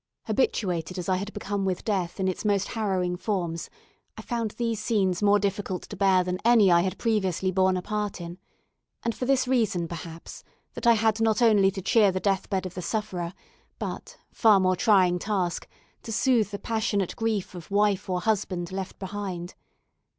Habituated as I had become with death in its most harrowing forms, I found these scenes more difficult to bear than any I had previously borne a part in; and for this reason perhaps, that I had not only to cheer the death bed of the sufferer, but, far more trying task, to soothe the passionate grief of wife or husband left behind.